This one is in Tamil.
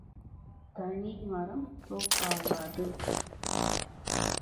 தனி மரம் தோப்பாகாது.